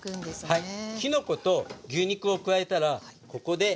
はい。